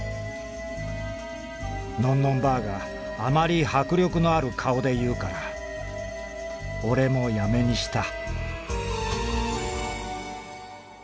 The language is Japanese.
「のんのんばあがあまり迫力のある顔でいうからオレもやめにした」。